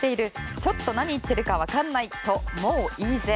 ちょっと何言ってるかわかんないともういいぜ。